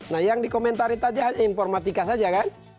nah yang dikomentarin saja informatika saja kan